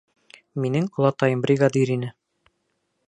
Минең олатай бригадир ине.